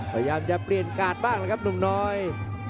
พยายามจะเปลี่ยนกาดบ้างแล้วครับหนุ่มน้อย